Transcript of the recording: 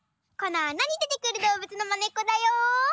このあなにでてくるどうぶつのまねっこだよ。